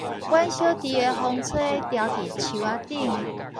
阮小弟的風吹牢佇樹仔頂